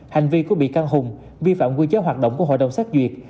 hành vi của bị can hùng vi phạm quy chế hoạt động của hội đồng xét duyệt